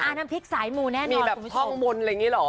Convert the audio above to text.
น้ำพริกสายมูแน่นอนมีแบบช่องมนต์อะไรอย่างนี้เหรอ